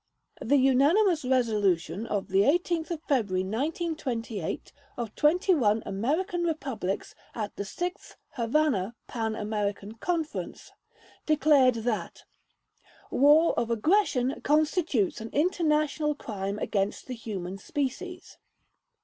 ." The unanimous resolution of 18 February 1928 of 21 American republics at the Sixth (Havana) Pan American Conference, declared that "war of aggression constitutes an international crime against the human species".